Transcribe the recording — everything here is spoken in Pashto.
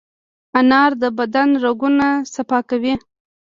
انار د بدن رګونه صفا کوي.